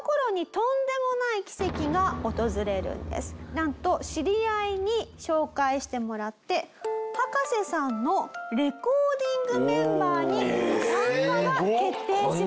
なんと知り合いに紹介してもらって葉加瀬さんのレコーディングメンバーに参加が決定します。